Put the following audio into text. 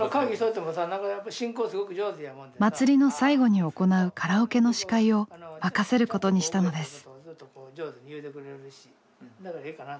祭りの最後に行うカラオケの司会を任せることにしたのです。